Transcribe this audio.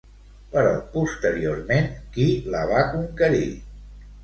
Però, posteriorment, qui la va conquerir?